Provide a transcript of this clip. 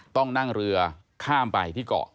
ต้องนั่งเรือข้ามไปที่เกาะ